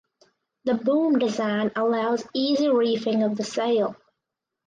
The boom design allows easy reefing of the sail.